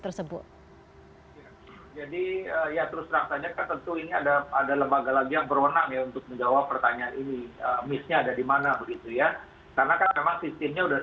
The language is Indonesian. nanti akan mendapat sms lanjutnya